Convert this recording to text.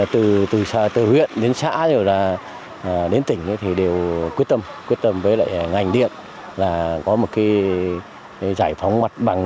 từ huyện đến xã đến tỉnh thì đều quyết tâm quyết tâm với lại ngành điện là có một cái giải phóng mặt bằng